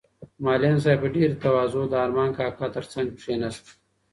معلم صاحب په ډېرې تواضع د ارمان کاکا تر څنګ کېناست.